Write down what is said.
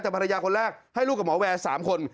แต่ภรรยาคนแรกให้ลูกกับหมอแวร์๓คน